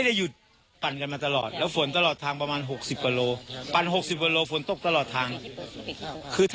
ดีใจที่ได้เจอน้องแข็งแรงอุ้น